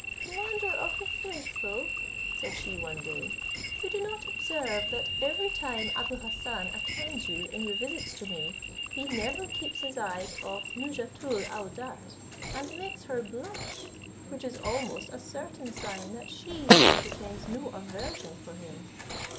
"Commander of the faithful," said she one day, "you do not observe that every time Abou Hassan attends you in your visits to me, he never keeps his eyes off Nouzhatoul aouadat, and makes her blush, which is almost a certain sign that she entertains no aversion for him.